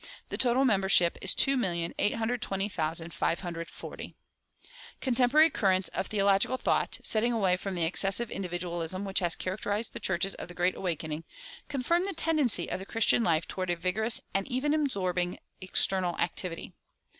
The total membership is 2,820,540.[369:2] Contemporary currents of theological thought, setting away from the excessive individualism which has characterized the churches of the Great Awakening, confirm the tendency of the Christian life toward a vigorous and even absorbing external activity.